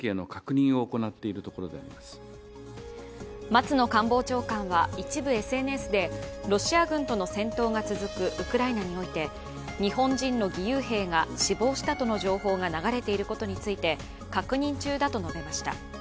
松野官房長官は、一部ＳＮＳでロシア軍との戦争が続くウクライナにおいて、日本人の義勇兵が死亡したとの情報が流れていることについて確認中だと述べました。